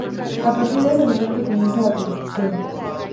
A partir de ese momento comienza la construcción.